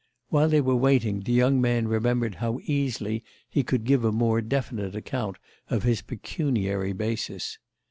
While they were waiting the young man remembered how easily he could give a more definite account of his pecuniary basis.